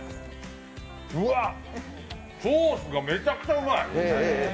うわっ、ソースがめちゃくちゃうまい！